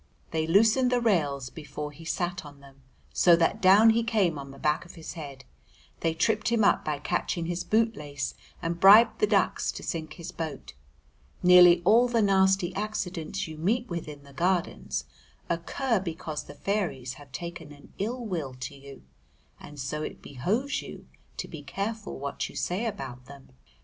They loosened the rails before he sat on them, so that down he came on the back of his head; they tripped him up by catching his boot lace and bribed the ducks to sink his boat. Nearly all the nasty accidents you meet with in the Gardens occur because the fairies have taken an ill will to you, and so it behoves you to be careful what you say about them.